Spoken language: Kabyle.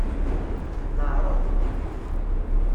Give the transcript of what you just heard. Neɛreḍ.